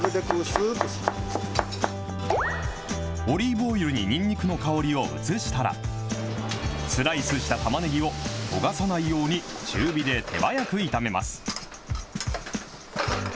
オリーブオイルににんにくの香りを移したら、スライスしたたまねぎを焦がさないように中火で手早く炒めます。